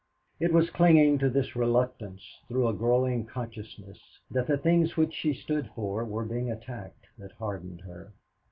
It was clinging to this reluctance through a growing consciousness that the things which she stood for were being attacked, that hardened her.